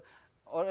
ini beras loh